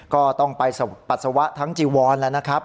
ก็ต้องไปปัสสาวะทั้งจีวอนแล้วนะครับ